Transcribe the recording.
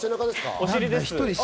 お尻です。